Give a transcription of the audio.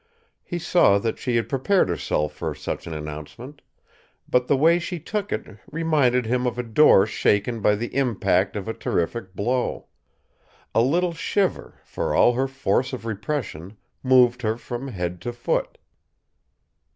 He saw that she had prepared herself for such an announcement; but the way she took it reminded him of a door shaken by the impact of a terrific blow. A little shiver, for all her force of repression, moved her from head to foot.